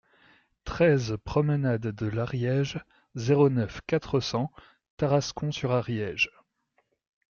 treize promenade de l'Ariège, zéro neuf, quatre cents, Tarascon-sur-Ariège